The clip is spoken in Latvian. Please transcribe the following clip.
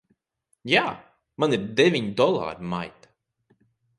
Jā. Man ir deviņi dolāri, maita!